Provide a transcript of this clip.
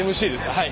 はい。